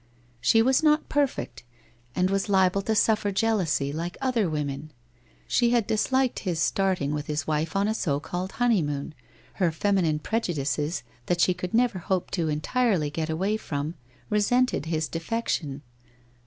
She was not perfect and was liable to suffer jealousy like other women. She had disliked his starting with his wife on a so called honeymoon, her feminine prejudices that she could never hope to entirely get away from, re sented his defection.